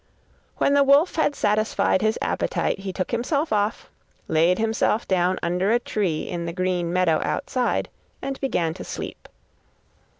When the wolf had satisfied his appetite he took himself off, laid himself down under a tree in the green meadow outside, and began to sleep.